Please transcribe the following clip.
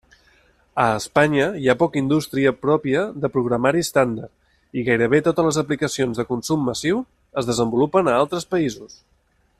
A Espanya hi ha poca indústria pròpia de programari estàndard, i gairebé totes les aplicacions de consum massiu es desenvolupen a altres països.